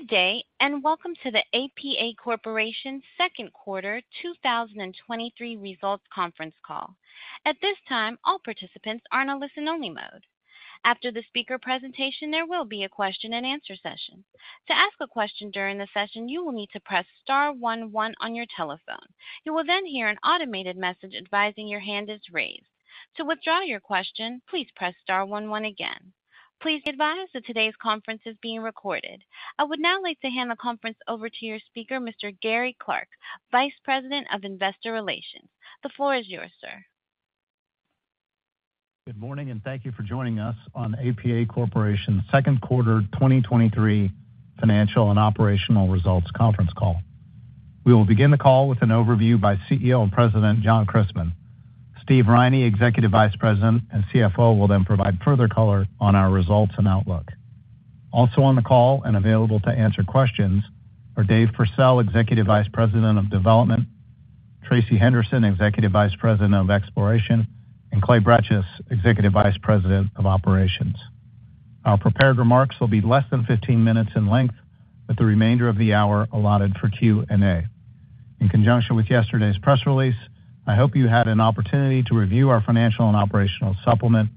Good day, and welcome to the APA Corporation Second Quarter 2023 Results Conference Call. At this time, all participants are in a listen-only mode. After the speaker presentation, there will be a question-and-answer session. To ask a question during the session, you will need to press star one, one on your telephone. You will then hear an automated message advising your hand is raised. To withdraw your question, please press star one, one again. Please be advised that today's conference is being recorded. I would now like to hand the conference over to your speaker, Mr. Gary Clark, Vice President of Investor Relations. The floor is yours, sir. Good morning, and thank you for joining us on APA Corporation's Second Quarter 2023 Financial and Operational Results Conference Call. We will begin the call with an overview by CEO and President, John Christman. Steve Riney, Executive Vice President and CFO, will then provide further color on our results and outlook. Also on the call and available to answer questions are Dave Purcell, Executive Vice President of Development, Tracey Henderson, Executive Vice President of Exploration, and Clay Bretches, Executive Vice President of Operations. Our prepared remarks will be less than 15 minutes in length, with the remainder of the hour allotted for Q&A. In conjunction with yesterday's press release, I hope you had an opportunity to review our financial and operational supplement,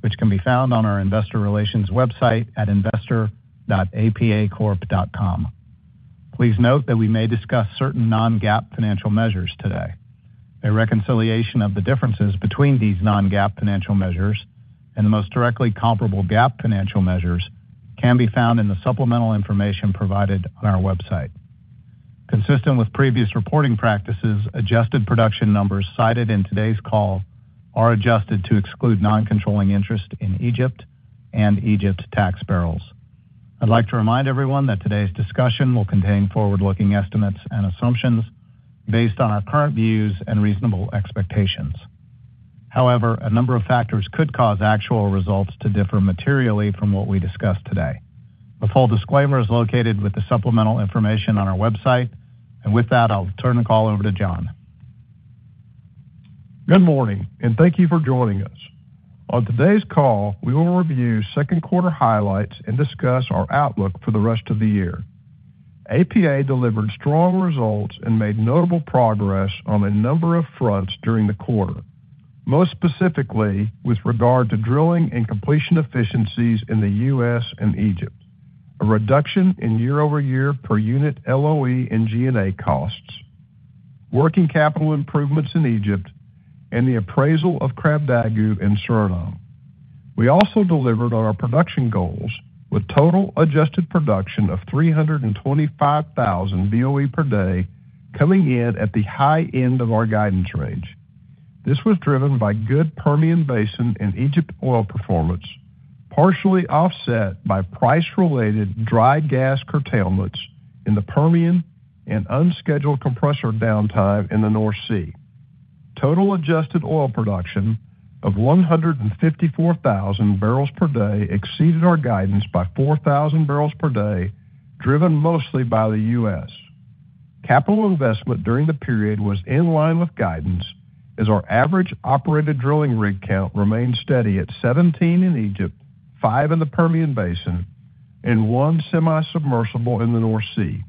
which can be found on our investor relations website at investor.apacorp.com. Please note that we may discuss certain non-GAAP financial measures today. A reconciliation of the differences between these non-GAAP financial measures and the most directly comparable GAAP financial measures can be found in the supplemental information provided on our website. Consistent with previous reporting practices, adjusted production numbers cited in today's call are adjusted to exclude non-controlling interest in Egypt and Egypt tax barrels. I'd like to remind everyone that today's discussion will contain forward-looking estimates and assumptions based on our current views and reasonable expectations. However, a number of factors could cause actual results to differ materially from what we discuss today. The full disclaimer is located with the supplemental information on our website. With that, I'll turn the call over to John. Good morning. Thank you for joining us. On today's call, we will review second quarter highlights and discuss our outlook for the rest of the year. APA delivered strong results and made notable progress on a number of fronts during the quarter. Most specifically, with regard to drilling and completion efficiencies in the U.S. and Egypt, a reduction in year-over-year per unit LOE and G&A costs, working capital improvements in Egypt, and the appraisal of Krabdagu in Suriname. We also delivered on our production goals with total adjusted production of 325,000 BOE per day, coming in at the high end of our guidance range. This was driven by good Permian Basin and Egypt oil performance, partially offset by price-related dry gas curtailments in the Permian and unscheduled compressor downtime in the North Sea. Total adjusted oil production of 154,000 barrels per day exceeded our guidance by 4,000 barrels per day, driven mostly by the U.S. Capital investment during the period was in line with guidance, as our average operated drilling rig count remained steady at 17 in Egypt, 5 in the Permian Basin, and 1 semi-submersible in the North Sea.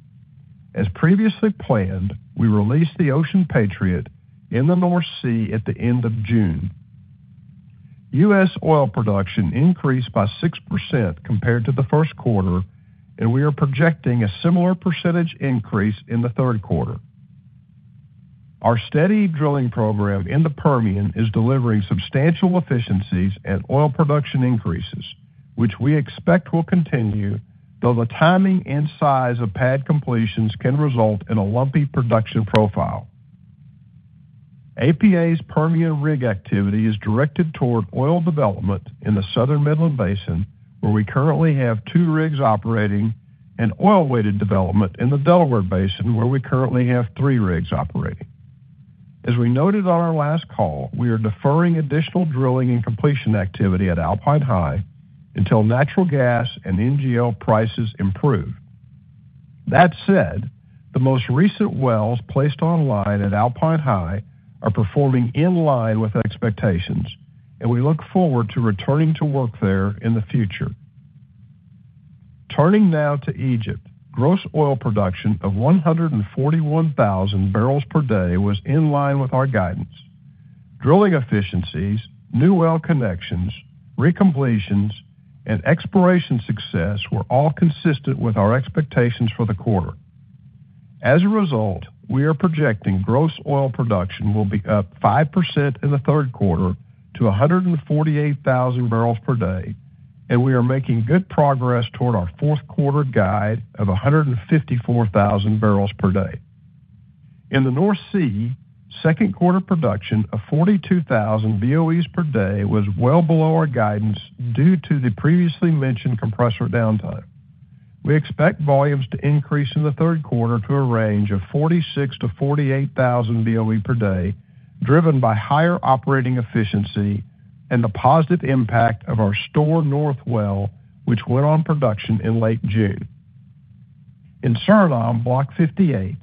As previously planned, we released the Ocean Patriot in the North Sea at the end of June. U.S. oil production increased by 6% compared to the first quarter, and we are projecting a similar percentage increase in the third quarter. Our steady drilling program in the Permian is delivering substantial efficiencies and oil production increases, which we expect will continue, though the timing and size of pad completions can result in a lumpy production profile. APA's Permian rig activity is directed toward oil development in the Southern Midland Basin, where we currently have two rigs operating, and oil-weighted development in the Delaware Basin, where we currently have three rigs operating. As we noted on our last call, we are deferring additional drilling and completion activity Alpine High until natural gas and NGL prices improve. That said, the most recent wells placed online at Alpine High are performing in line with expectations, and we look forward to returning to work there in the future. Turning now to Egypt, gross oil production of 141,000 barrels per day was in line with our guidance. Drilling efficiencies, new well connections, recompletions, and exploration success were all consistent with our expectations for the quarter. As a result, we are projecting gross oil production will be up 5% in the third quarter to 148,000 barrels per day, and we are making good progress toward our fourth quarter guide of 154,000 barrels per day. In the North Sea, second quarter production of 42,000 BOEs per day was well below our guidance due to the previously mentioned compressor downtime. We expect volumes to increase in the third quarter to a range of 46,000-48,000 BOE per day, driven by higher operating efficiency and the positive impact of our Storr North well, which went on production in late June. In Suriname, Block 58,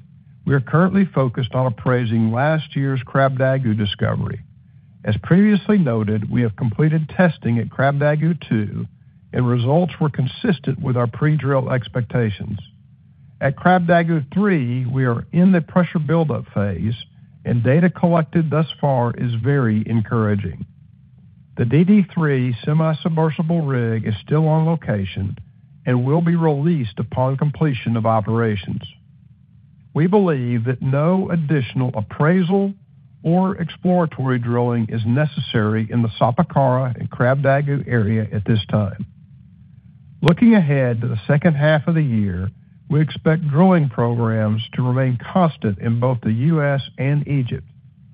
we are currently focused on appraising last year's Krabdagu discovery....As previously noted, we have completed testing at Krabdagu-2, and results were consistent with our pre-drill expectations. At Krabdagu-3, we are in the pressure buildup phase, and data collected thus far is very encouraging. The DDIII semi-submersible rig is still on location and will be released upon completion of operations. We believe that no additional appraisal or exploratory drilling is necessary in the Sapakara and Krabdagu area at this time. Looking ahead to the second half of the year, we expect drilling programs to remain constant in both the U.S. and Egypt,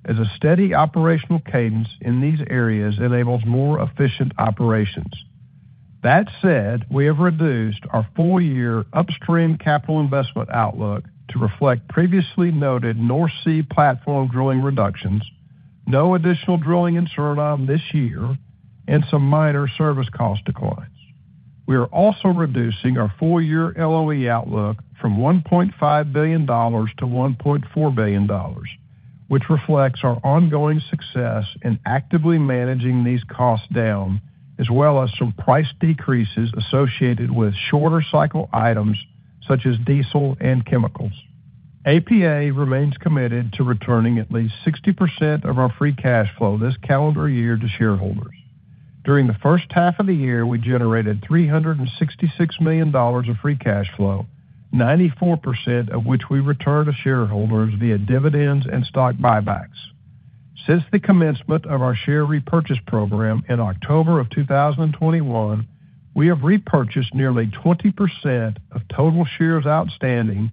as a steady operational cadence in these areas enables more efficient operations. That said, we have reduced our full-year upstream capital investment outlook to reflect previously noted North Sea platform drilling reductions, no additional drilling in Suriname this year, and some minor service cost declines. We are also reducing our full-year LOE outlook from $1.5 billion to $1.4 billion, which reflects our ongoing success in actively managing these costs down, as well as some price decreases associated with shorter cycle items such as diesel and chemicals. APA remains committed to returning at least 60% of our free cash flow this calendar year to shareholders. During the first half of the year, we generated $366 million of free cash flow, 94% of which we returned to shareholders via dividends and stock buybacks. Since the commencement of our share repurchase program in October 2021, we have repurchased nearly 20% of total shares outstanding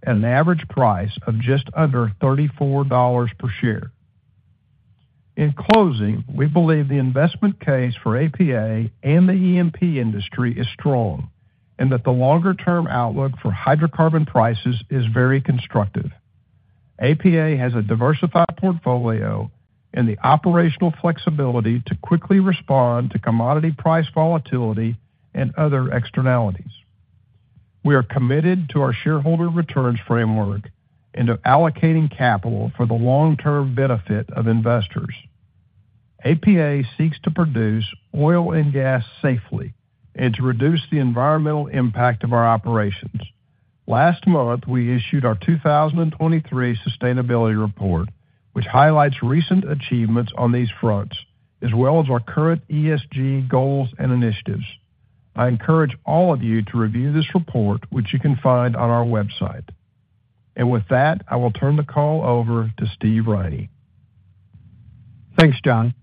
at an average price of just under $34 per share. In closing, we believe the investment case for APA and the E&P industry is strong, and that the longer-term outlook for hydrocarbon prices is very constructive. APA has a diversified portfolio and the operational flexibility to quickly respond to commodity price volatility and other externalities. We are committed to our shareholder returns framework and to allocating capital for the long-term benefit of investors. APA seeks to produce oil and gas safely and to reduce the environmental impact of our operations. Last month, we issued our 2023 sustainability report, which highlights recent achievements on these fronts, as well as our current ESG goals and initiatives. I encourage all of you to review this report, which you can find on our website. With that, I will turn the call over to Steve Riney. Thanks, John.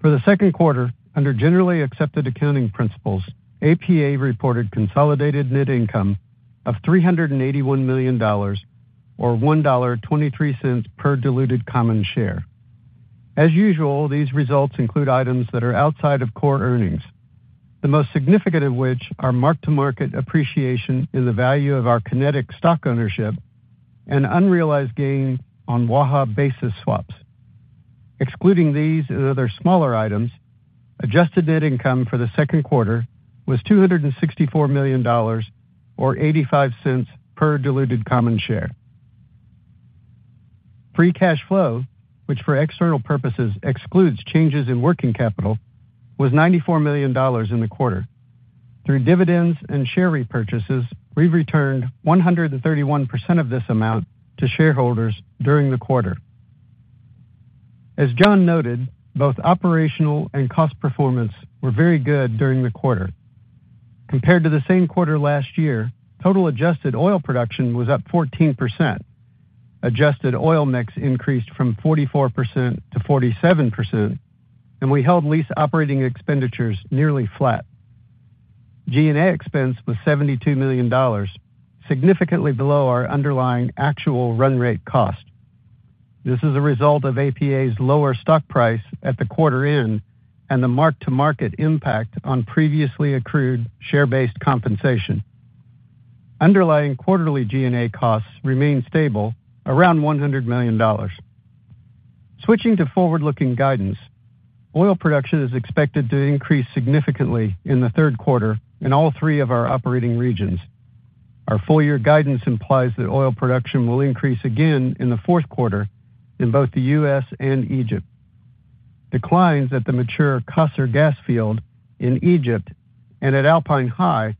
For the second quarter, under generally accepted accounting principles, APA reported consolidated net income of $381 million or $1.23 per diluted common share. As usual, these results include items that are outside of core earnings, the most significant of which are mark-to-market appreciation in the value of our Kinetik stock ownership and unrealized gain on Waha basis swaps. Excluding these and other smaller items, adjusted net income for the second quarter was $264 million, or $0.85 per diluted common share. Free cash flow, which for external purposes excludes changes in working capital, was $94 million in the quarter. Through dividends and share repurchases, we've returned 131% of this amount to shareholders during the quarter. As John noted, both operational and cost performance were very good during the quarter. Compared to the same quarter last year, total adjusted oil production was up 14%. Adjusted oil mix increased from 44% to 47%, and we held lease operating expenditures nearly flat. G&A expense was $72 million, significantly below our underlying actual run rate cost. This is a result of APA's lower stock price at the quarter end and the mark-to-market impact on previously accrued share-based compensation. Underlying quarterly G&A costs remain stable around $100 million. Switching to forward-looking guidance, oil production is expected to increase significantly in the third quarter in all three of our operating regions. Our full-year guidance implies that oil production will increase again in the fourth quarter in both the U.S. and Egypt. Declines at the mature Qasr gas field in Egypt and at Alpine High,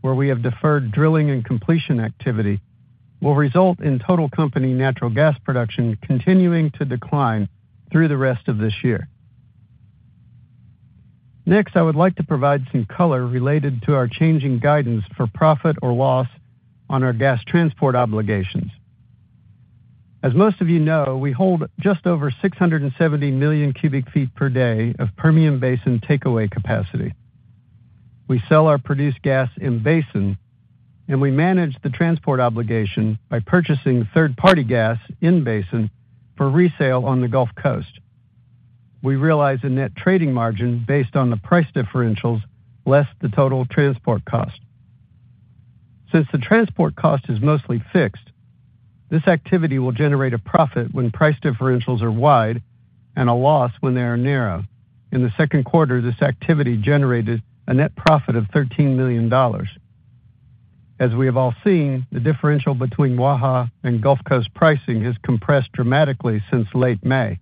where we have deferred drilling and completion activity, will result in total company natural gas production continuing to decline through the rest of this year. Next, I would like to provide some color related to our changing guidance for profit or loss on our gas transport obligations. As most of you know, we hold just over 670 million cubic feet per day of Permian Basin takeaway capacity. We sell our produced gas in Basin, and we manage the transport obligation by purchasing third-party gas in Basin for resale on the Gulf Coast. We realize a net trading margin based on the price differentials, less the total transport cost. Since the transport cost is mostly fixed, this activity will generate a profit when price differentials are wide and a loss when they are narrow. In the second quarter, this activity generated a net profit of $13 million. As we have all seen, the differential between Waha and Gulf Coast pricing has compressed dramatically since late May.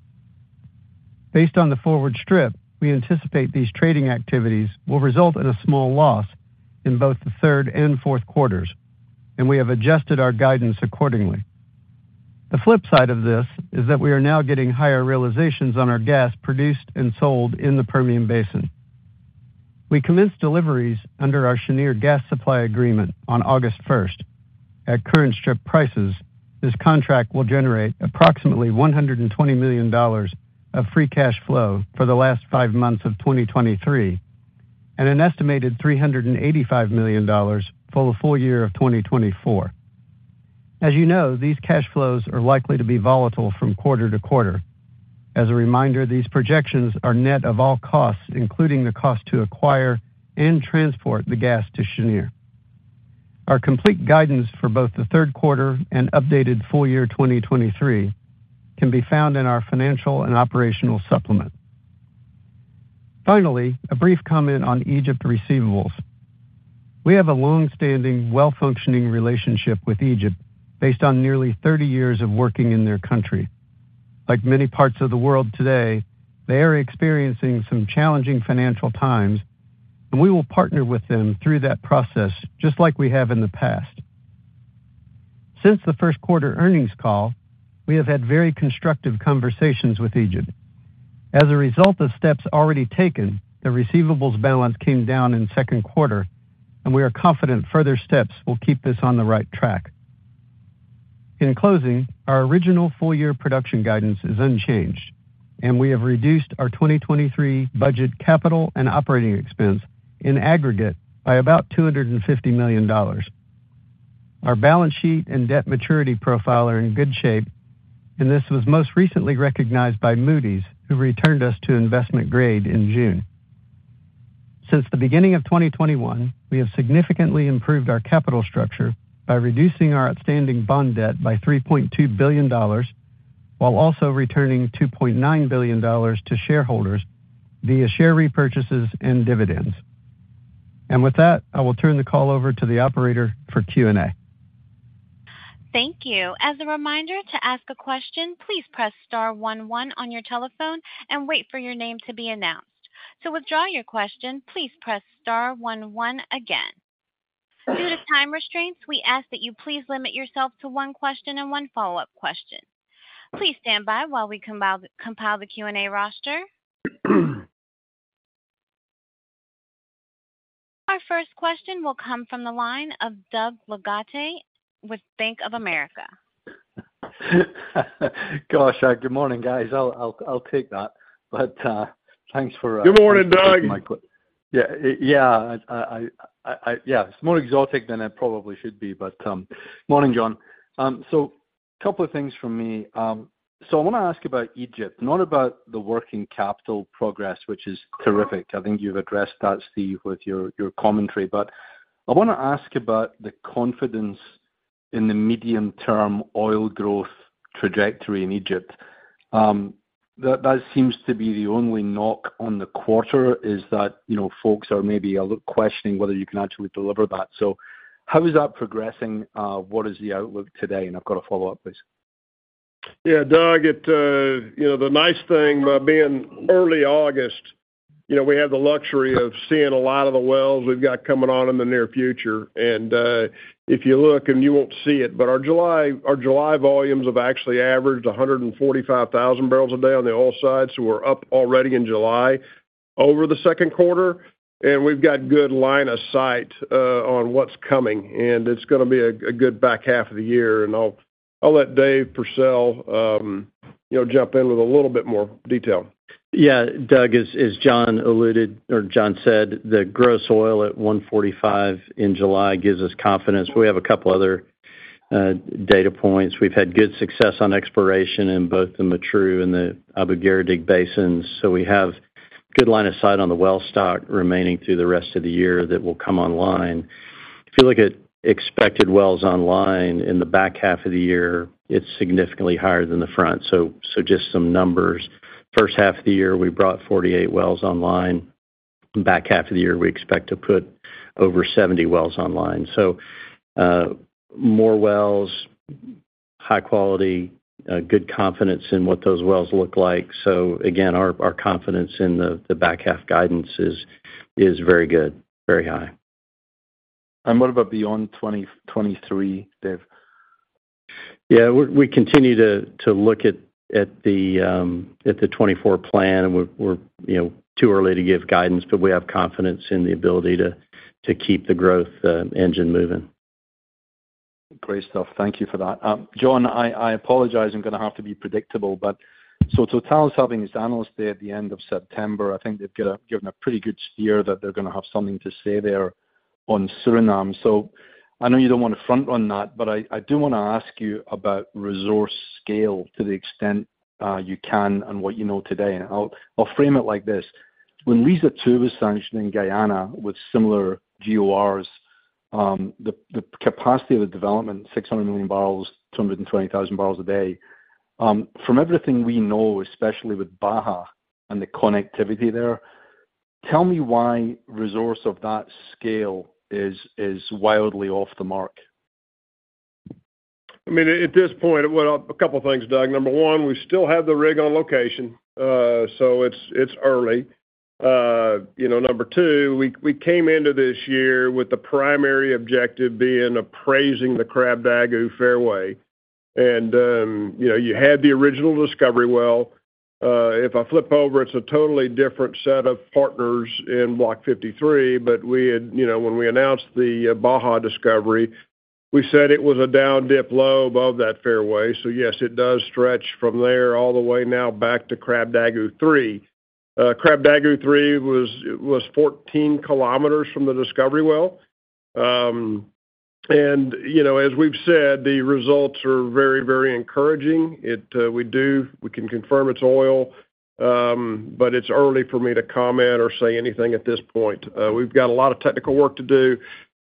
Based on the forward strip, we anticipate these trading activities will result in a small loss in both the third and fourth quarters, and we have adjusted our guidance accordingly. The flip side of this is that we are now getting higher realizations on our gas produced and sold in the Permian Basin. We commenced deliveries under our Cheniere gas supply agreement on August 1st. At current strip prices, this contract will generate approximately $120 million of free cash flow for the last 5 months of 2023, and an estimated $385 million for the full year of 2024. As you know, these cash flows are likely to be volatile from quarter to quarter. As a reminder, these projections are net of all costs, including the cost to acquire and transport the gas to Cheniere. Our complete guidance for both the third quarter and updated full year 2023 can be found in our financial and operational supplement. Finally, a brief comment on Egypt receivables. We have a long-standing, well-functioning relationship with Egypt based on nearly 30 years of working in their country. Like many parts of the world today, they are experiencing some challenging financial times, and we will partner with them through that process, just like we have in the past. Since the first quarter earnings call, we have had very constructive conversations with Egypt. As a result of steps already taken, the receivables balance came down in second quarter. We are confident further steps will keep this on the right track. In closing, our original full-year production guidance is unchanged. We have reduced our 2023 budget, CapEx, and OpEx in aggregate by about $250 million. Our balance sheet and debt maturity profile are in good shape. This was most recently recognized by Moody's, who returned us to investment grade in June. Since the beginning of 2021, we have significantly improved our capital structure by reducing our outstanding bond debt by $3.2 billion, while also returning $2.9 billion to shareholders via share repurchases and dividends. With that, I will turn the call over to the operator for Q&A. Thank you. As a reminder, to ask a question, please press star 11 on your telephone and wait for your name to be announced. To withdraw your question, please press star 11 again. Due to time restraints, we ask that you please limit yourself to one question and one follow-up question. Please stand by while we compile the Q&A roster. Our first question will come from the line of Doug Leggate with Bank of America. Gosh, good morning, guys. I'll, I'll, I'll take that, but, thanks for. Good morning, Doug. Yeah. Yeah, I, I, I, yeah, it's more exotic than it probably should be, but, morning, John. Couple of things from me. I wanna ask about Egypt, not about the working capital progress, which is terrific. I think you've addressed that, Steve, with your, your commentary, but I wanna ask about the confidence in the medium-term oil growth trajectory in Egypt. That, that seems to be the only knock on the quarter, is that, you know, folks are maybe a little questioning whether you can actually deliver that. How is that progressing? What is the outlook today? I've got a follow-up, please. Yeah, Doug, it, you know, the nice thing about being early August, you know, we have the luxury of seeing a lot of the wells we've got coming on in the near future. If you look and you won't see it, but our July, our July volumes have actually averaged 145,000 barrels a day on the oil side, so we're up already in July over the second quarter, and we've got good line of sight on what's coming, and it's gonna be a good back half of the year. I'll, I'll let Dave Purcell, you know, jump in with a little bit more detail. Yeah, Doug, as John alluded or John said, the gross oil at 145 in July gives us confidence. We have a couple other data points. We've had good success on exploration in both the Matruh and the Abu Gharadig basins, so we have good line of sight on the well stock remaining through the rest of the year that will come online. If you look at expected wells online in the back half of the year, it's significantly higher than the front. Just some numbers. First half of the year, we brought 48 wells online. Back half of the year, we expect to put over 70 wells online. More wells, high quality, good confidence in what those wells look like. Again, our confidence in the back half guidance is very good, very high. What about beyond 2023, Dave? Yeah, we, we continue to, to look at, at the, at the 2024 plan. We're, we're, you know, too early to give guidance, but we have confidence in the ability to, to keep the growth engine moving. Great stuff. Thank you for that. John, I, I apologize, I'm gonna have to be predictable. Total is having its analyst day at the end of September. I think they've given a pretty good steer that they're gonna have something to say there on Suriname. I know you don't want to front-run that, but I, I do wanna ask you about resource scale to the extent you can and what you know today. I'll, I'll frame it like this: When Liza Two was sanctioned in Guyana with similar GORs, the capacity of the development, 600 million barrels, 220,000 barrels a day, from everything we know, especially with Baja and the connectivity there- Tell me why resource of that scale is, is wildly off the mark? I mean, at this point, well, a couple of things, Doug. Number 1, we still have the rig on location, so it's, it's early. You know, number 2, we, we came into this year with the primary objective being appraising the Krabdagu fairway. You know, you had the original discovery well. If I flip over, it's a totally different set of partners in Block 53, but we had... You know, when we announced the Baja discovery, we said it was a down dip low above that fairway. Yes, it does stretch from there all the way now back to Krabdagu-3. Krabdagu-3 was, was 14 kilometers from the discovery well. You know, as we've said, the results are very, very encouraging. It, we do-- we can confirm it's oil, but it's early for me to comment or say anything at this point. We've got a lot of technical work to do.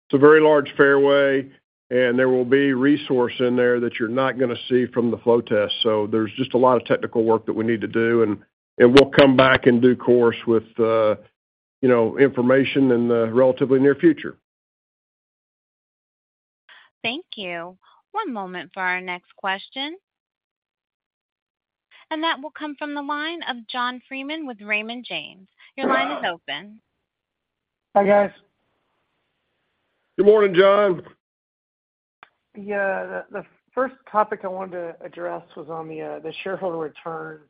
It's a very large fairway, and there will be resource in there that you're not gonna see from the flow test. There's just a lot of technical work that we need to do, and, and we'll come back in due course with, you know, information in the relatively near future. Thank you. One moment for our next question. That will come from the line of John Freeman with Raymond James. Your line is open. Hi, guys. Good morning, John. Yeah. The, the first topic I wanted to address was on the, the shareholder returns.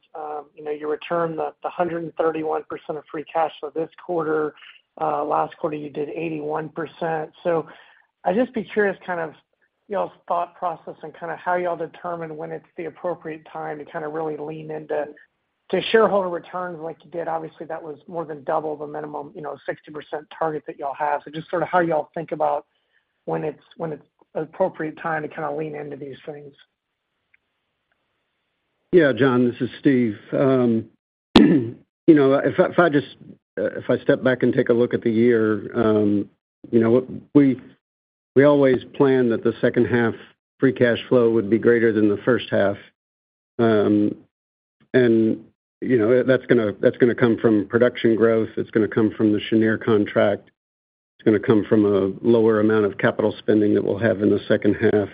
You know, you returned the, the 131% of free cash flow this quarter. Last quarter, you did 81%. I'd just be curious, kind of your thought process and kind of how you all determine when it's the appropriate time to kind of really lean into, to shareholder returns like you did. Obviously, that was more than double the minimum, you know, 60% target that you all have. Just sort of how you all think about when it's, when it's appropriate time to kind of lean into these things. Yeah, John, this is Steve. You know, if I, if I step back and take a look at the year, you know, we, we always plan that the second half free cash flow would be greater than the first half. You know, that's gonna, that's gonna come from production growth, it's gonna come from the Cheniere contract, it's gonna come from a lower amount of capital spending that we'll have in the second half.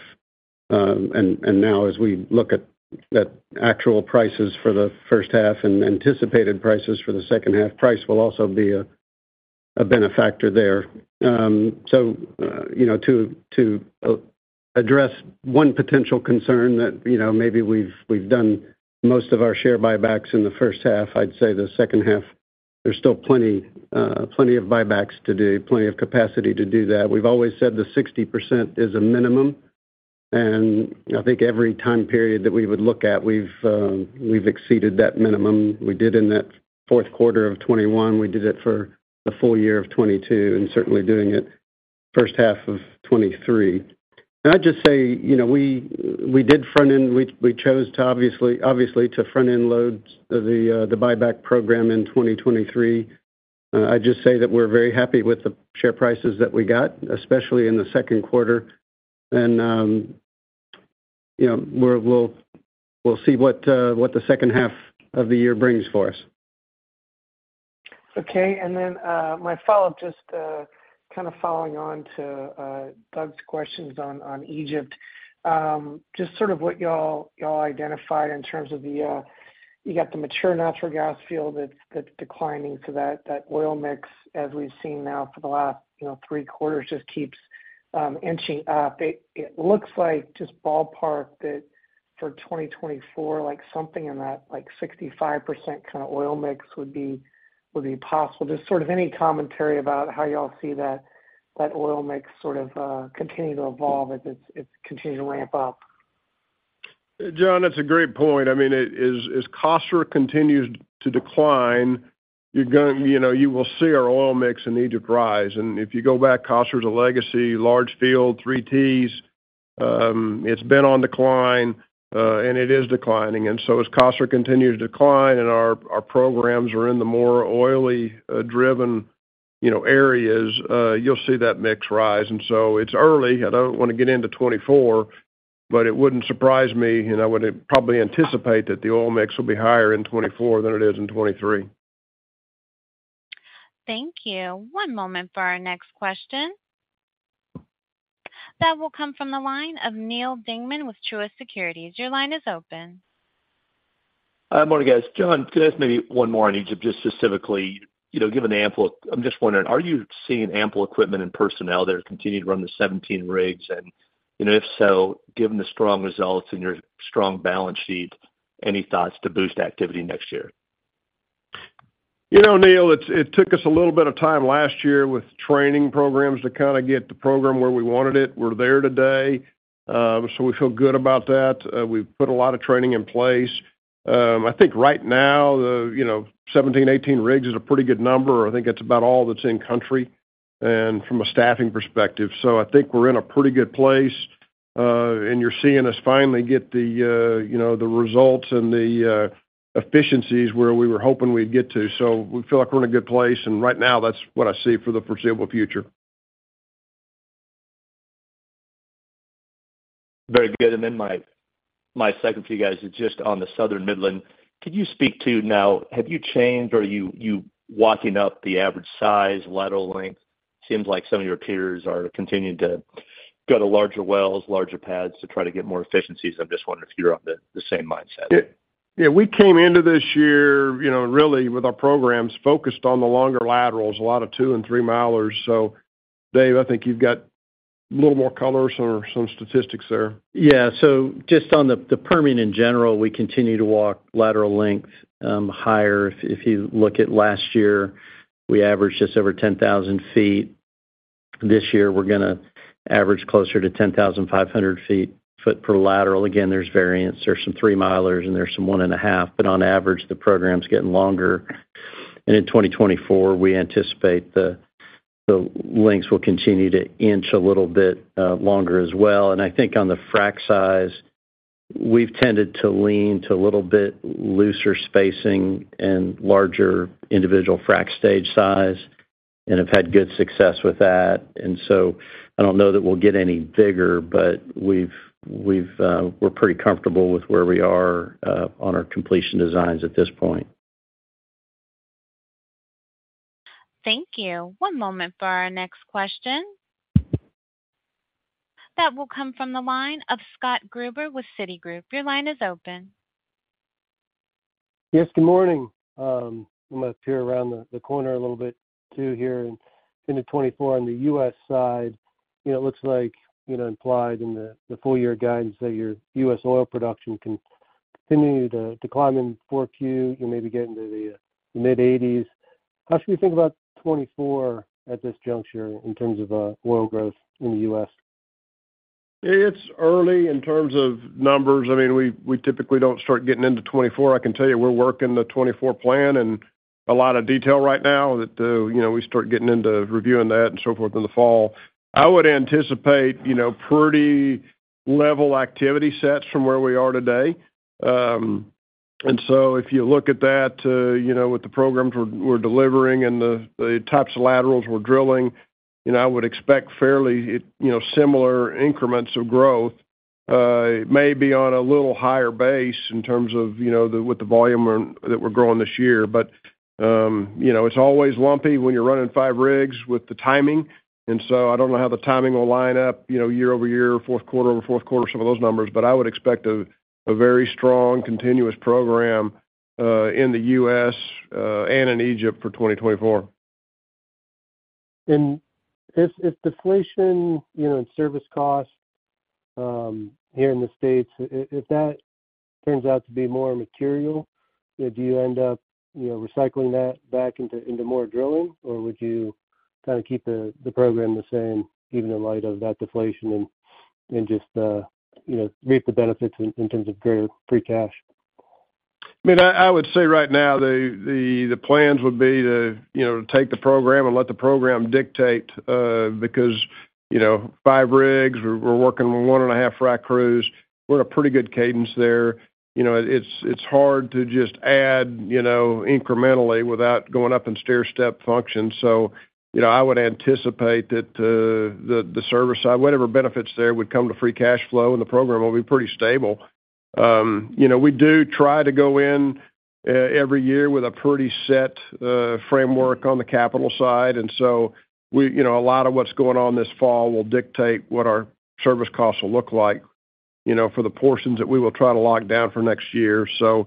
Now as we look at that actual prices for the first half and anticipated prices for the second half, price will also be a, a benefactor there. You know, to, to address one potential concern that, you know, maybe we've, we've done most of our share buybacks in the first half, I'd say the second half, there's still plenty, plenty of buybacks to do, plenty of capacity to do that. We've always said the 60% is a minimum, and I think every time period that we would look at, we've, we've exceeded that minimum. We did in that fourth quarter of 2021, we did it for the full year of 2022, and certainly doing it first half of 2023. I'd just say, you know, we, we did front-end, we, we chose to, obviously, obviously, to front-end load the, the buyback program in 2023. I'd just say that we're very happy with the share prices that we got, especially in the second quarter. You know, we're, we'll, we'll see what, what the second half of the year brings for us. Okay. My follow-up, just, kind of following on to, Doug's questions on, on Egypt. Just sort of what y'all, y'all identified in terms of the, you got the mature natural gas field that's, that's declining. So that, that oil mix, as we've seen now for the last, you know, three quarters, just keeps inching up. It, it looks like, just ballpark, that for 2024, like something in that, like 65% kind of oil mix would be, would be possible. Just sort of any commentary about how you all see that, that oil mix sort of, continue to evolve as it's, it's continuing to ramp up? John, that's a great point. I mean, as Qasr continues to decline, you know, you will see our oil mix in Egypt rise. If you go back, Qasr is a legacy, large field, three Ts. It's been on decline, and it is declining. As Qasr continues to decline and our, our programs are in the more oily, driven, you know, areas, you'll see that mix rise. It's early. I don't want to get into 2024, but it wouldn't surprise me, and I would probably anticipate that the oil mix will be higher in 2024 than it is in 2023. Thank you. One moment for our next question. That will come from the line of Neal Dingman with Truist Securities. Your line is open. Hi, morning, guys. John, could I ask maybe one more on Egypt, just specifically, you know, I'm just wondering, are you seeing ample equipment and personnel there to continue to run the 17 rigs? You know, if so, given the strong results and your strong balance sheet, any thoughts to boost activity next year? You know, Neal, it took us a little bit of time last year with training programs to kind of get the program where we wanted it. We're there today, we feel good about that. We've put a lot of training in place. I think right now, you know, 17, 18 rigs is a pretty good number. I think it's about all that's in country and from a staffing perspective. I think we're in a pretty good place, and you're seeing us finally get you know, the results and efficiencies where we were hoping we'd get to. We feel like we're in a good place, and right now, that's what I see for the foreseeable future. Very good. Then my, my second for you guys is just on the Southern Midland. Could you speak to now, have you changed or are you walking up the average size, lateral length? Seems like some of your peers are continuing to go to larger wells, larger pads to try to get more efficiencies. I'm just wondering if you're on the same mindset. Yeah, we came into this year, you know, really with our programs focused on the longer laterals, a lot of two and three milers. Dave, I think you've got a little more color or some statistics there. Yeah. Just on the, the Permian in general, we continue to walk lateral length, higher. If, if you look at last year, we averaged just over 10,000 feet. This year, we're gonna average closer to 10,500 feet, foot per lateral. Again, there's variance. There's some three milers, and there's some one and a half, but on average, the program's getting longer. In 2024, we anticipate the, the lengths will continue to inch a little bit, longer as well. I think on the frack size, we've tended to lean to a little bit looser spacing and larger individual frack stage size, and have had good success with that. I don't know that we'll get any bigger, but we've, we've, we're pretty comfortable with where we are, on our completion designs at this point. Thank you. One moment for our next question. That will come from the line of Scott Gruber with Citigroup. Your line is open. Yes, good morning. I'm gonna peer around the, the corner a little bit too here. In the 2024 on the U.S. side, you know, it looks like, you know, implied in the, the full year guidance that your U.S. oil production can continue to, to climb in 4Q, you maybe get into the mid-80s. How should we think about 2024 at this juncture in terms of oil growth in the U.S.? It's early in terms of numbers. I mean, we, we typically don't start getting into 2024. I can tell you we're working the 2024 plan and a lot of detail right now that, you know, we start getting into reviewing that and so forth in the fall. I would anticipate, you know, pretty level activity sets from where we are today. So if you look at that, you know, with the programs we're, we're delivering and the, the types of laterals we're drilling, you know, I would expect fairly, you know, similar increments of growth, maybe on a little higher base in terms of, you know, the, with the volume that we're growing this year. You you know, it's always lumpy when you're running 5 rigs with the timing, and so I don't know how the timing will line up, you know, year-over-year, fourth quarter over fourth quarter, some of those numbers. I would expect a, a very strong continuous program in the U.S. and in Egypt for 2024. If, if deflation, you know, and service costs, here in the States, if that turns out to be more material, do you end up, you know, recycling that back into, into more drilling? Would you kinda keep the program the same, even in light of that deflation and, and just, you know, reap the benefits in terms of greater free cash? I mean, I, I would say right now, the, the, the plans would be to, you know, take the program and let the program dictate, because, you know, 5 rigs, we're, we're working with 1.5 frack crews. We're in a pretty good cadence there. You know, it's, it's hard to just add, you know, incrementally without going up in stairstep function. I would anticipate that the, the service side, whatever benefits there, would come to free cash flow, and the program will be pretty stable. You know, we do try to go in every year with a pretty set framework on the capital side, and so we... You know, a lot of what's going on this fall will dictate what our service costs will look like, you know, for the portions that we will try to lock down for next year. You know,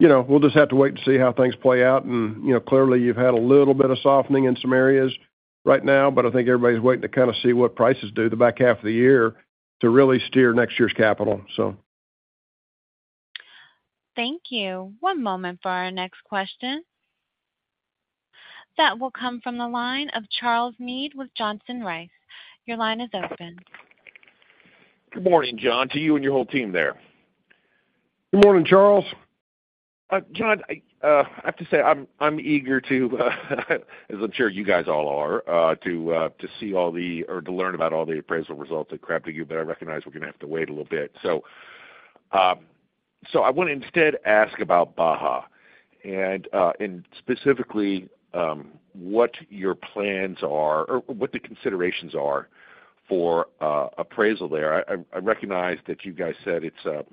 we'll just have to wait to see how things play out. You know, clearly, you've had a little bit of softening in some areas right now, but I think everybody's waiting to kind of see what prices do the back half of the year to really steer next year's capital. Thank you. One moment for our next question. That will come from the line of Charles Meade with Johnson Rice. Your line is open. Good morning, John, to you and your whole team there. Good morning, Charles. John, I have to say I'm, I'm eager to, as I'm sure you guys all are, to see all the... or to learn about all the appraisal results at Krabdagu, but I recognize we're gonna have to wait a little bit. I want to instead ask about Baja, and specifically, what your plans are or what the considerations are for appraisal there. I recognize that you guys said it's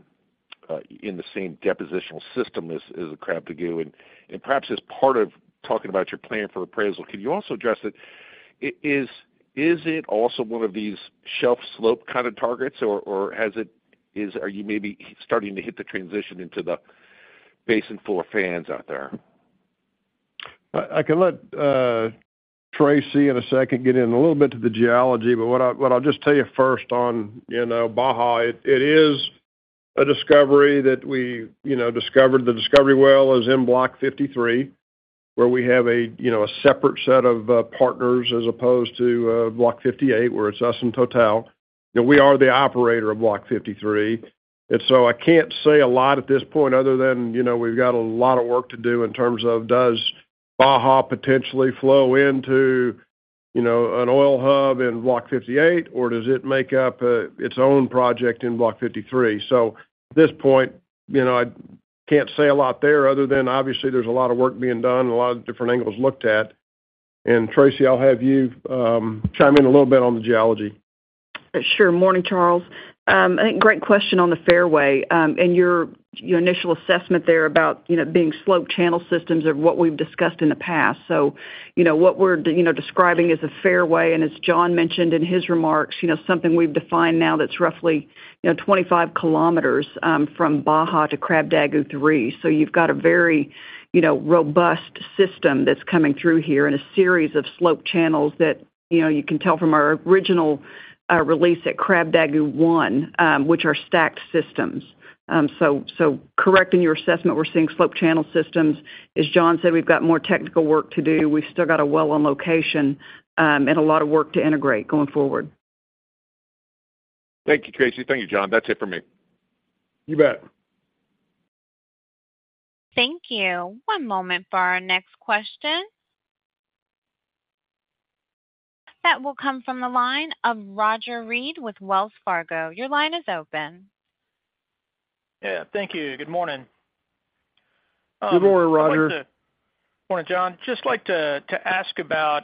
in the same depositional system as, as the Krabdagu, and perhaps as part of talking about your plan for appraisal, can you also address it, is, is it also one of these shelf slope kind of targets, or, or is, are you maybe starting to hit the transition into the basin for fans out there I, I can let, Tracey in a second, get in a little bit to the geology, but what I, what I'll just tell you first on, you know, Baja, it, it is a discovery that we, you know, discovered. The discovery well is in Block 53, where we have a, you know, a separate set of, partners as opposed to, Block 58, where it's us and TotalEnergies. We are the operator of Block 53. So I can't say a lot at this point other than, you know, we've got a lot of work to do in terms of, does Baja potentially flow into, you know, an oil hub in Block 58, or does it make up, its own project in Block 53? At this point, you know, I can't say a lot there other than obviously, there's a lot of work being done and a lot of different angles looked at. Tracey, I'll have you chime in a little bit on the geology. Sure. Morning, Charles. I think great question on the fairway. Your, your initial assessment there about, you know, being slope channel systems are what we've discussed in the past. What we're, you know, describing as a fairway, and as John mentioned in his remarks, you know, something we've defined now that's roughly, you know, 25 kilometers, from Baja to Krabdagu-3. You've got a very, you know, robust system that's coming through here in a series of slope channels that, you know, you can tell from our original, release at Krabdagu-1, which are stacked systems. Correct in your assessment, we're seeing slope channel systems. As John said, we've got more technical work to do. We've still got a well on location, and a lot of work to integrate going forward. Thank you, Tracey. Thank you, John. That's it for me. You bet. Thank you. One moment for our next question. That will come from the line of Roger Read with Wells Fargo. Your line is open. Yeah, thank you. Good morning. Good morning, Roger. Morning, John. Just like to, to ask about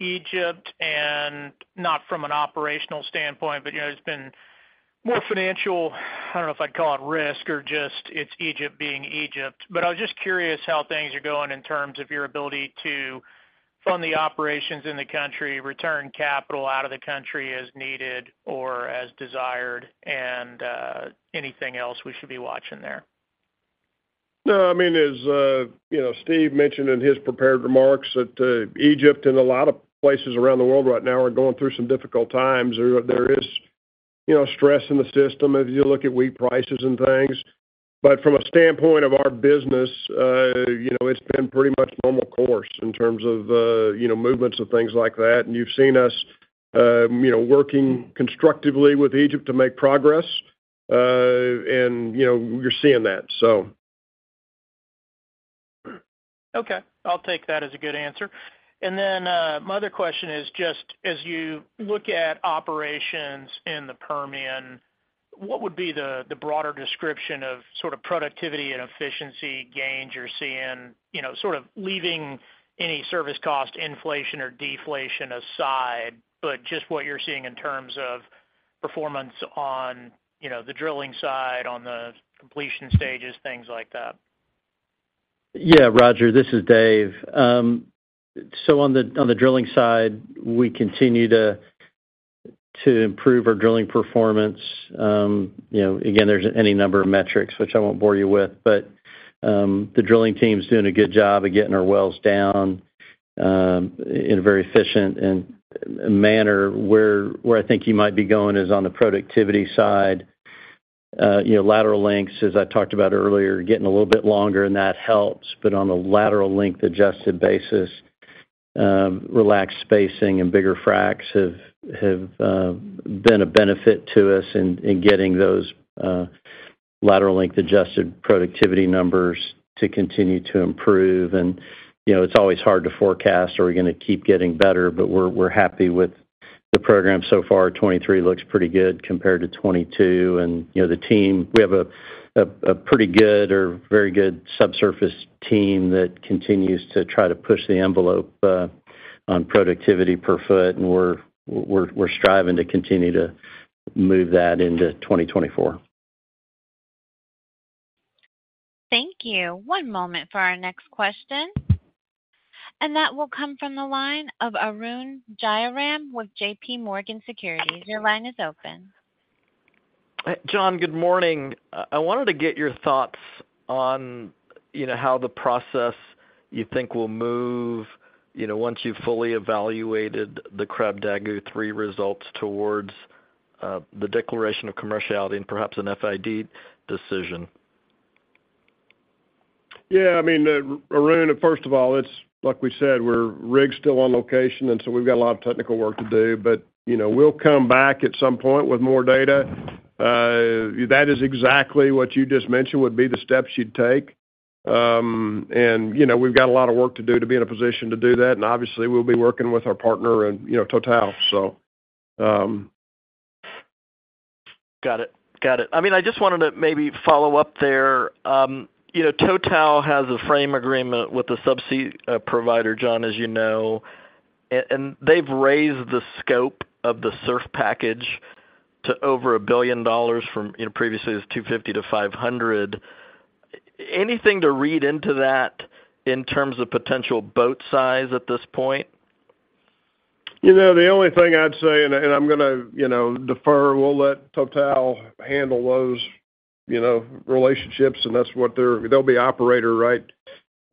Egypt and not from an operational standpoint, but, you know, it's been more financial. I don't know if I'd call it risk or just it's Egypt being Egypt, but I was just curious how things are going in terms of your ability to fund the operations in the country, return capital out of the country as needed or as desired, and anything else we should be watching there? No, I mean, as, you know, Steve mentioned in his prepared remarks, that, Egypt and a lot of places around the world right now are going through some difficult times. There, there is, you know, stress in the system as you look at wheat prices and things. From a standpoint of our business, you know, it's been pretty much normal course in terms of, you know, movements and things like that. You've seen us, you know, working constructively with Egypt to make progress, and, you know, you're seeing that, so. Okay. I'll take that as a good answer. Then, my other question is just, as you look at operations in the Permian, what would be the, the broader description of sort of productivity and efficiency gains you're seeing, you know, sort of leaving any service cost, inflation or deflation aside, but just what you're seeing in terms of performance on, you know, the drilling side, on the completion stages, things like that? Yeah, Roger, this is Dave. On the drilling side, we continue to improve our drilling performance. You know, again, there's any number of metrics, which I won't bore you with, but the drilling team's doing a good job of getting our wells down in a very efficient and manner. Where I think you might be going is on the productivity side. You know, lateral lengths, as I talked about earlier, getting a little bit longer, and that helps, but on a lateral length adjusted basis, relaxed spacing and bigger fracs have been a benefit to us in getting those lateral length adjusted productivity numbers to continue to improve. You know, it's always hard to forecast, are we gonna keep getting better? But we're happy with the program so far. 2023 looks pretty good compared to 2022. You know, the team, we have a, a, a pretty good or very good subsurface team that continues to try to push the envelope on productivity per foot, and we're, we're, we're striving to continue to move that into 2024. Thank you. One moment for our next question. That will come from the line of Arun Jayaram with J.P. Morgan Securities. Your line is open. John, good morning. I wanted to get your thoughts on, you know, how the process you think will move, you know, once you've fully evaluated the Krabdagu-3 results towards, the declaration of commerciality and perhaps an FID decision. Yeah, I mean, Arun, first of all, it's like we said, we're rig's still on location, and so we've got a lot of technical work to do, but, you know, we'll come back at some point with more data. That is exactly what you just mentioned, would be the steps you'd take. You know, we've got a lot of work to do to be in a position to do that, and obviously, we'll be working with our partner and, you know, TotalEnergies, so. Got it. Got it. I mean, I just wanted to maybe follow up there. You know, TotalEnergies has a frame agreement with the subsea provider, John, as you know, and they've raised the scope of the surf package to over $1 billion from, you know, previously it was $250 million-$500 million. Anything to read into that in terms of potential boat size at this point? You know, the only thing I'd say, and, and I'm gonna, you know, defer, we'll let Total handle those, you know, relationships, and that's what they're-- They'll be operator, right?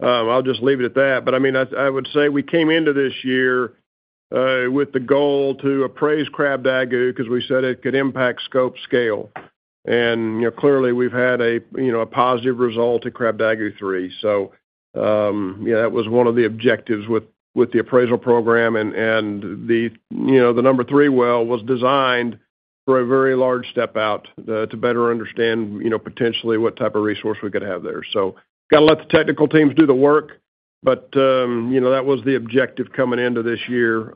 I'll just leave it at that. I mean, I, I would say we came into this year with the goal to appraise Krabdagu because we said it could impact scope, scale. You know, clearly, we've had a, you know, a positive result at Krabdagu-3. Yeah, that was one of the objectives with, with the appraisal program, and, and the, you know, the number 3 well was designed for a very large step out to better understand, you know, potentially what type of resource we could have there. Gotta let the technical teams do the work, but, you know, that was the objective coming into this year,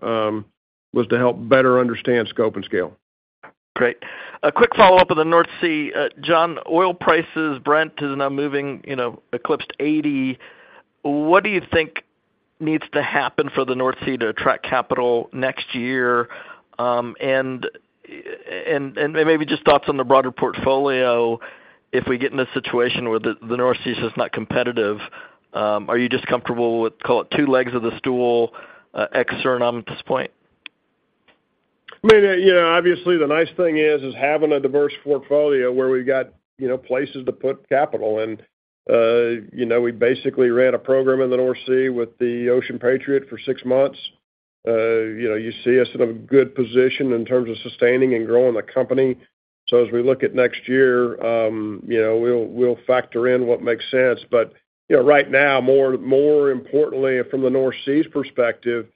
was to help better understand scope and scale. Great. A quick follow-up on the North Sea. John, oil prices, Brent is now moving, you know, eclipsed 80. What do you think needs to happen for the North Sea to attract capital next year? And maybe just thoughts on the broader portfolio, if we get in a situation where the, the North Sea is just not competitive, are you just comfortable with, call it, 2 legs of the stool, ex Suriname at this point? I mean, yeah, obviously, the nice thing is, is having a diverse portfolio where we've got, you know, places to put capital. You know, we basically ran a program in the North Sea with the Ocean Patriot for six months. You know, you see us in a good position in terms of sustaining and growing the company. As we look at next year, you know, we'll, we'll factor in what makes sense. You know, right now, more, more importantly, from the North Sea's perspective,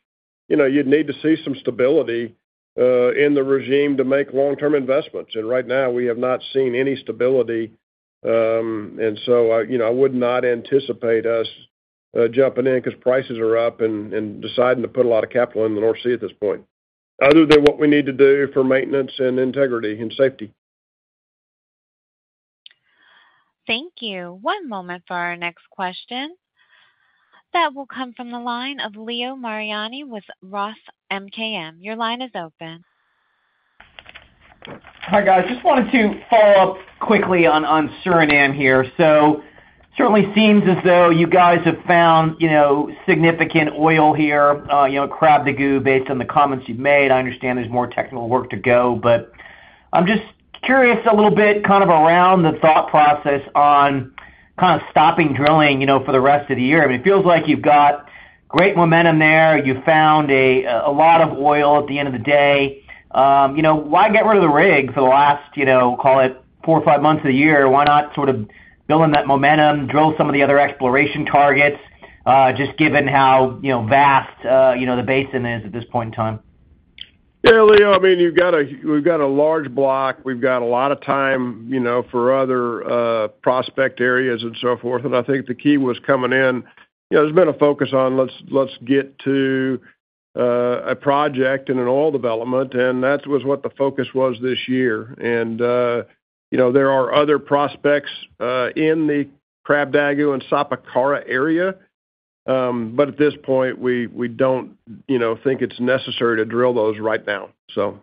you know, you'd need to see some stability in the regime to make long-term investments. Right now, we have not seen any stability. I, you know, I would not anticipate us jumping in because prices are up and, and deciding to put a lot of capital in the North Sea at this point, other than what we need to do for maintenance and integrity and safety. Thank you. One moment for our next question. That will come from the line of Leo Mariani with Roth MKM. Your line is open. Hi, guys. Just wanted to follow up quickly on Suriname here. Certainly seems as though you guys have found, you know, significant oil here, you know, Krabdagu, based on the comments you've made. I understand there's more technical work to go, but I'm just curious a little bit, kind of around the thought process on kind of stopping drilling, you know, for the rest of the year. I mean, it feels like you've got great momentum there. You found a lot of oil at the end of the day. You know, why get rid of the rig for the last, you know, call it four or five months of the year? Why not sort of build on that momentum, drill some of the other exploration targets, just given how, you know, vast, you know, the basin is at this point in time? Yeah, Leo, I mean, we've got a large block. We've got a lot of time, you know, for other prospect areas and so forth. I think the key was coming in. You know, there's been a focus on let's, let's get to a project and an oil development, and that was what the focus was this year. You know, there are other prospects in the Krabdagu and Sapakara area, but at this point, we, we don't, you know, think it's necessary to drill those right now, so.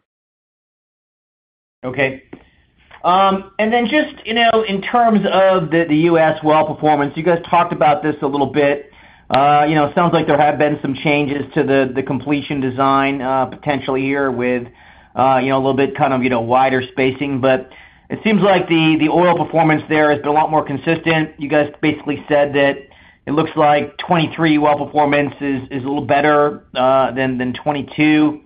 Okay. Just, you know, in terms of the, the U.S. well performance, you guys talked about this a little bit. You know, it sounds like there have been some changes to the, the completion design, potentially here with, you know, a little bit kind of, you know, wider spacing. It seems like the, the oil performance there has been a lot more consistent. You guys basically said that it looks like 2023 well performance is, is a little better than, than 2022.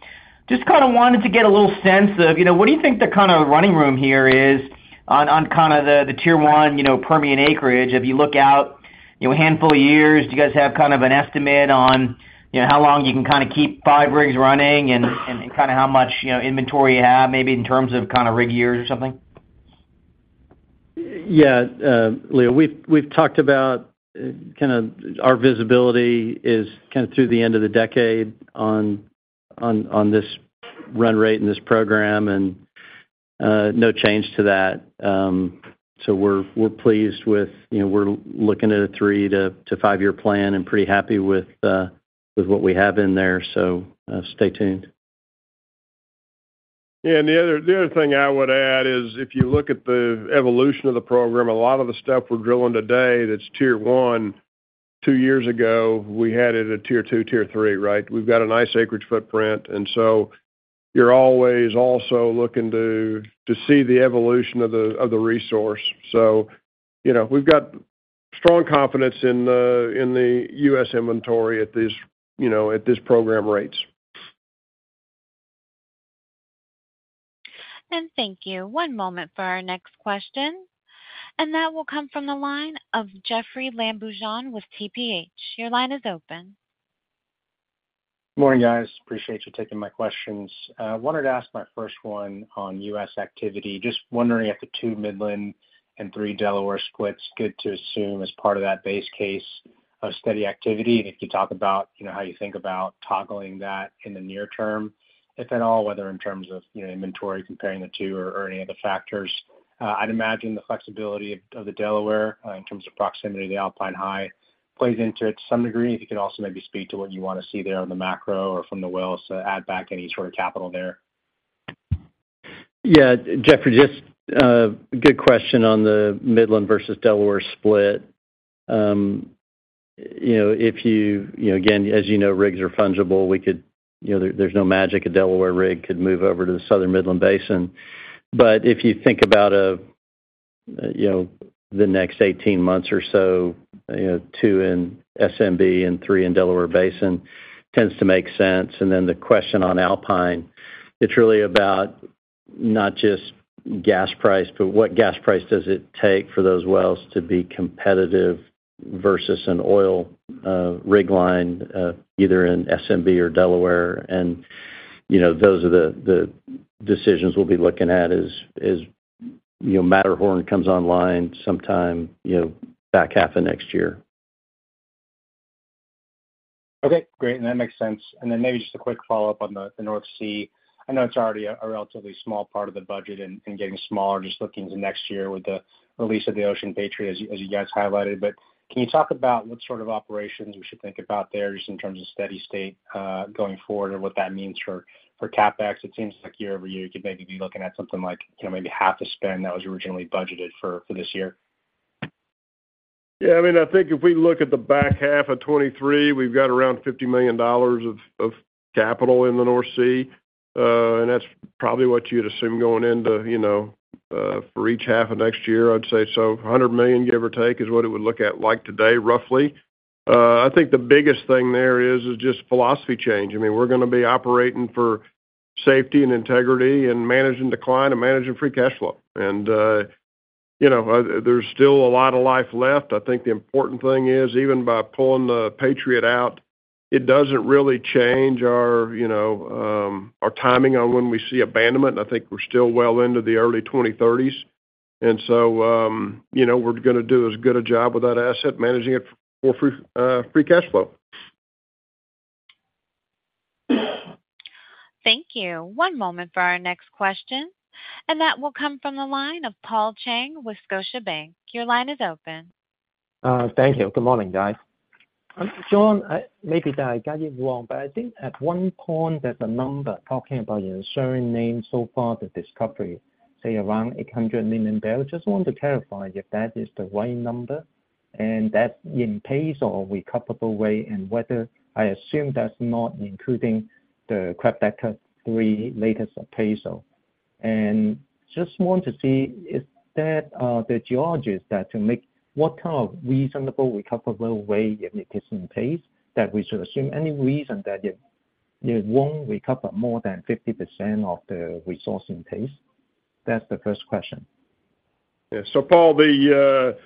Just kinda wanted to get a little sense of, you know, what do you think the kind of running room here is on, on kinda the tier one, you know, Permian acreage? If you look out, you know, a handful of years, do you guys have kind of an estimate on, you know, how long you can kinda keep 5 rigs running and, and kinda how much, you know, inventory you have, maybe in terms of kinda rig years or something? Yeah, Leo, we've, we've talked about kinda our visibility is kinda through the end of the decade on, on, on this run rate and this program, and no change to that. We're, we're pleased with... You know, we're looking at a three to five-year plan and pretty happy with what we have in there, so stay tuned. Yeah, the other, the other thing I would add is, if you look at the evolution of the program, a lot of the stuff we're drilling today, that's tier one. two years ago, we had it at tier two, tier three, right? We've got a nice acreage footprint, and so you're always also looking to, to see the evolution of the, of the resource. You know, we've got strong confidence in the, in the U.S. inventory at these, you know, at this program rates. Thank you. One moment for our next question, and that will come from the line of Jeffrey Lambujon with TPH&Co.. Your line is open. Morning, guys. Appreciate you taking my questions. Wanted to ask my first one on U.S. activity. Just wondering if the 2 Midland and 3 Delaware splits, good to assume as part of that base case of steady activity. If you talk about, you know, how you think about toggling that in the near term, if at all, whether in terms of, you know, inventory comparing the two or, or any other factors. I'd imagine the flexibility of, of the Delaware, in terms of proximity to the Alpine High, plays into it to some degree. If you could also maybe speak to what you want to see there on the macro or from the wells to add back any sort of capital there. Yeah, Jeffrey, just good question on the Midland versus Delaware split. You know, you know, again, as you know, rigs are fungible. We could, you know, there's no magic a Delaware rig could move over to the Southern Midland Basin. But if you think about, you know, the next 18 months or so, you know, 2 in SMB and 3 in Delaware Basin tends to make sense. And then the question on Alpine, it's really about not just gas price, but what gas price does it take for those wells to be competitive versus an oil rig line, either in SMB or Delaware. And, you know, those are the decisions we'll be looking at as, as, you know, Matterhorn comes online sometime, you know, back half of next year. Okay, great. That makes sense. Then maybe just a quick follow-up on the, the North Sea. I know it's already a, a relatively small part of the budget and, and getting smaller, just looking to next year with the release of the Ocean Patriot, as you, as you guys highlighted. Can you talk about what sort of operations we should think about there, just in terms of steady state, going forward, and what that means for, for CapEx? It seems like year-over-year, you could maybe be looking at something like, you know, maybe half the spend that was originally budgeted for, for this year. Yeah, I mean, I think if we look at the back half of 2023, we've got around $50 million of capital in the North Sea. That's probably what you'd assume going into, you know, for each half of next year, I'd say. $100 million, give or take, is what it would look at like today, roughly. I think the biggest thing there is just philosophy change. I mean, we're gonna be operating for safety and integrity and managing decline and managing free cash flow. You know, there's still a lot of life left. I think the important thing is, even by pulling the Patriot out, it doesn't really change our, you know, our timing on when we see abandonment. I think we're still well into the early 2030s. You know, we're gonna do as good a job with that asset, managing it for free cash flow. Thank you. One moment for our next question, and that will come from the line of Paul Cheng with Scotiabank. Your line is open. Thank you. Good morning, guys. John, I-- maybe I got it wrong, but I think at one point that the number talking about your Suriname so far, the discovery, say, around 800 million barrels. Just want to clarify if that is the right number, and that's in-place or recoverable way, and whether I assume that's not including the Krabdagu-3 latest appraisal? Just want to see, is that, the geologies that to make what kind of reasonable, recoverable way it is in place, that we should assume any reason that it, it won't recover more than 50% of the resource in place? That's the first question. Yeah. Paul, the,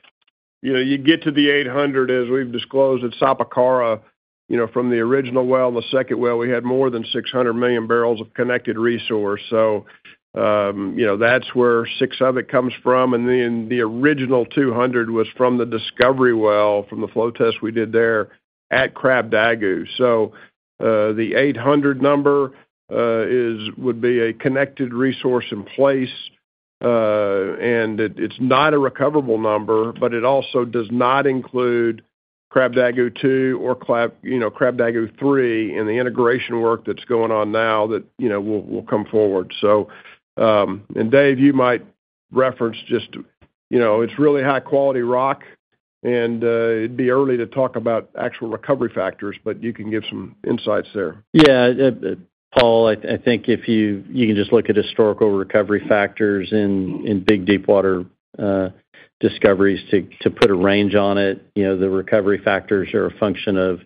you know, you get to the 800, as we've disclosed, at Sapakara. You know, from the original well, and the second well, we had more than 600 million barrels of connected resource. You know, that's where six of it comes from, and then the original 200 was from the discovery well, from the flow test we did there at Krabdagu. The 800 number is would be a connected resource in place, and it, it's not a recoverable number, but it also does not include Krabdagu-2 or Krab. You know, Krabdagu-3 and the integration work that's going on now that, you know, will, will come forward. Dave, you might reference just, you know, it's really high-quality rock, and, it'd be early to talk about actual recovery factors, but you can give some insights there. Yeah. Paul, I, I think if you, you can just look at historical recovery factors in, in big deep water discoveries to put a range on it. You know, the recovery factors are a function of,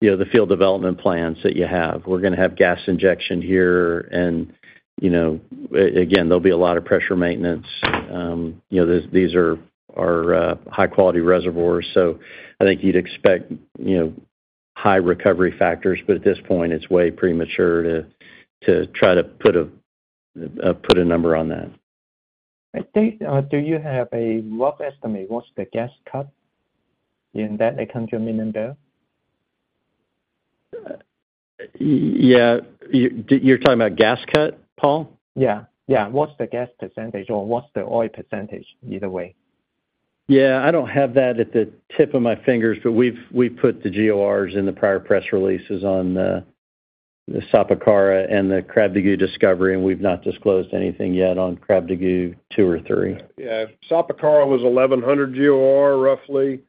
you know, the field development plans that you have. We're gonna have gas injection here and, you know, again, there'll be a lot of pressure maintenance. You know, these, these are, are high-quality reservoirs, so I think you'd expect, you know, high recovery factors. At this point, it's way premature to try to put a put a number on that. I think, do you have a rough estimate what's the gas cut in that 800 million barrel? Yeah. You, you're talking about gas cut, Paul? Yeah, yeah. What's the gas percentage or what's the oil percentage, either way? Yeah, I don't have that at the tip of my fingers, but we've, we've put the GORs in the prior press releases on the Sapakara and the Krabdagu discovery, and we've not disclosed anything yet on Krabdagu-2 or Krabdagu-3. Yeah. Sapakara was 1,100 GOR, roughly,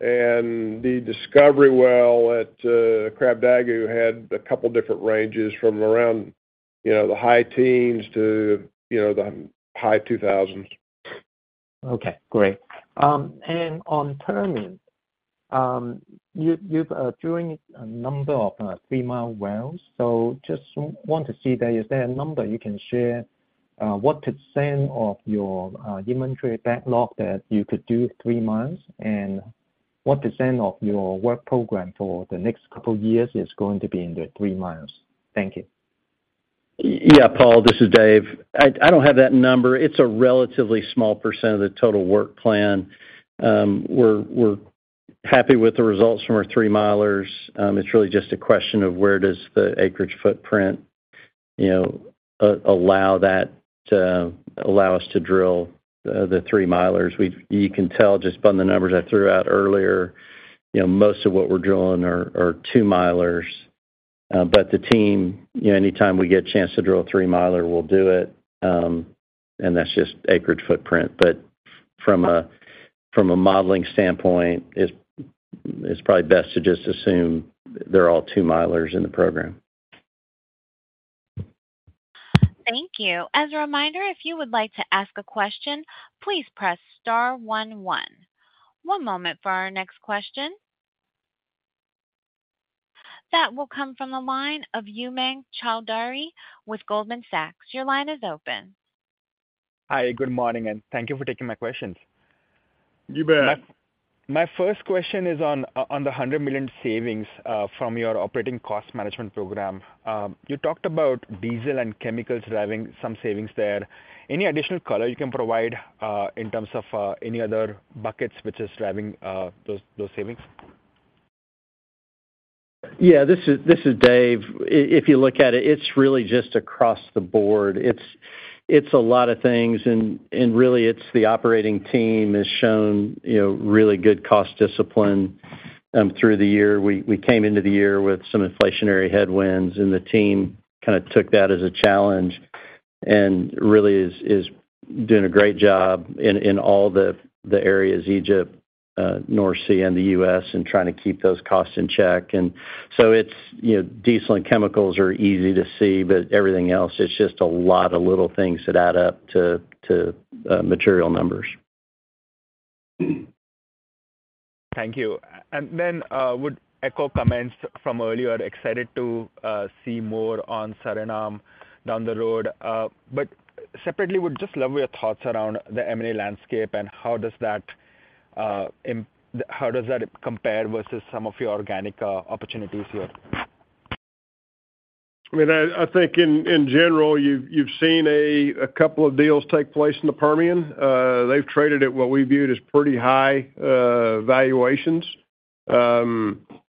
and the discovery well at Krabdagu had two different ranges from around, you know, the high teens to, you know, the high 2,000s. Okay, great. On Permian, you've drilling a number of 3-mile wells, so just want to see that, is there a number you can share, what % of your inventory backlog that you could do 3 miles, and what % of your work program for the next 2 years is going to be in the 3 miles? Thank you. Y- yeah, Paul, this is Dave. I, I don't have that number. It's a relatively small % of the total work plan. We're, we're happy with the results from our 3-milers. It's really just a question of where does the acreage footprint, you know, allow that to allow us to drill the 3-milers. We've-- you can tell just by the numbers I threw out earlier, you know, most of what we're drilling are, are 2-milers. The team, you know, anytime we get a chance to drill a 3-miler, we'll do it, and that's just acreage footprint. From a, from a modeling standpoint, it's, it's probably best to just assume they're all 2-milers in the program. Thank you. As a reminder, if you would like to ask a question, please press star one, one. One moment for our next question. That will come from the line of Umang Chowdhury with Goldman Sachs. Your line is open. Hi, good morning, and thank you for taking my questions. You bet. My, my first question is on, on the $100 million savings, from your operating cost management program. You talked about diesel and chemicals driving some savings there. Any additional color you can provide, in terms of, any other buckets which is driving, those, those savings? Yeah, this is Dave. If you look at it, it's really just across the board. It's a lot of things, and really, it's the operating team has shown, you know, really good cost discipline through the year. We came into the year with some inflationary headwinds, and the team kind of took that as a challenge and really is doing a great job in all the areas, Egypt, North Sea, and the U.S., and trying to keep those costs in check. So it's, you know, diesel and chemicals are easy to see, but everything else, it's just a lot of little things that add up to material numbers. Thank you. Then, would echo comments from earlier, excited to see more on Suriname down the road. Separately, would just love your thoughts around the M&A landscape and how does that how does that compare versus some of your organic opportunities here? I mean, I, I think in, in general, you've, you've seen a, a couple of deals take place in the Permian. They've traded at what we viewed as pretty high valuations.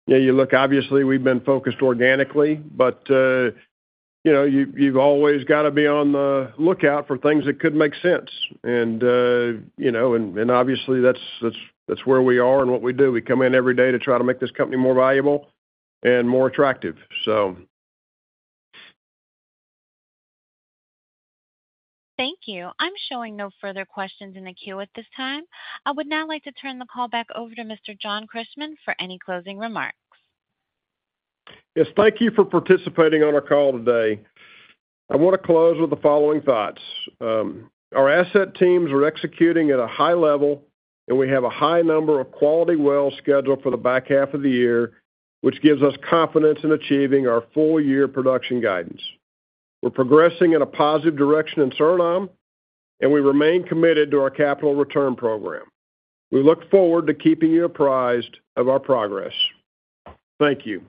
Yeah, you look, obviously, we've been focused organically, but, you know, you've, you've always gotta be on the lookout for things that could make sense. You know, and, and obviously, that's, that's, that's where we are and what we do. We come in every day to try to make this company more valuable and more attractive, so. Thank you. I'm showing no further questions in the queue at this time. I would now like to turn the call back over to Mr. John Christman for any closing remarks. Yes, thank you for participating on our call today. I want to close with the following thoughts. Our asset teams are executing at a high level. We have a high number of quality wells scheduled for the back half of the year, which gives us confidence in achieving our full-year production guidance. We're progressing in a positive direction in Suriname. We remain committed to our capital return program. We look forward to keeping you apprised of our progress. Thank you.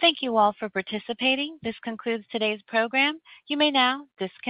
Thank you all for participating. This concludes today's program. You may now disconnect.